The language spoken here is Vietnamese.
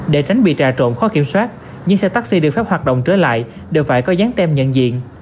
để tránh bị trà trộn khó kiểm soát những xe taxi được phép hoạt động trở lại đều phải có dán tem nhận diện